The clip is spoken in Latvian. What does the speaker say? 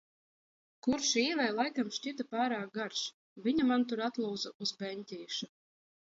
Kurš Īvei laikam šķita pārāk garš, viņa man tur atlūza uz beņķīša.